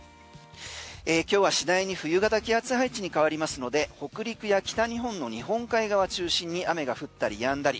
今日は次第に冬型気圧配置に変わりますので北陸や北日本の日本海側中心に雨が降ったりやんだり。